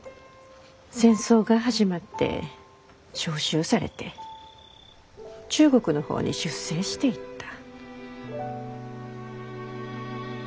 戦争が始まって召集されて中国の方に出征していった。